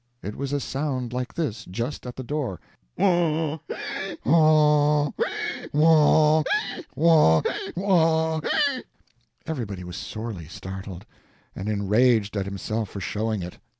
It was a sound like this just at the door: "Waw... he! waw... he! waw he! waw he! waw he!" Everybody was sorely startled and enraged at himself for showing it.